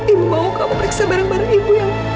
ibu mau kamu periksa bareng bareng ibu yang